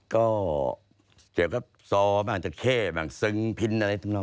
ก็เสียงครับซอลมันอาจจะเค้บซึงพิ้นอะไรทั้งนอก